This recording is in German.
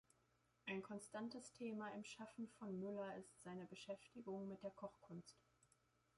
Ein konstantes Thema im Schaffen von Müller ist seine Beschäftigung mit der Kochkunst.